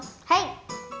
はい。